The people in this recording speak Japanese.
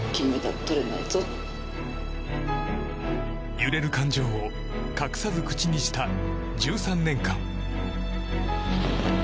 揺れる感情を隠さず口にした１３年間。